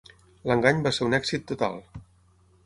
L'engany va ser un èxit total.